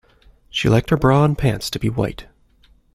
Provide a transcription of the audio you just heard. She liked her bra and pants to be white